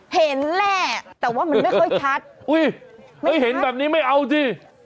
เห็นแหละแต่ว่ามันไม่ค่อยชัดอุ้ยไม่เห็นแบบนี้ไม่เอาสิ